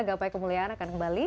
gapai kemuliaan akan kembali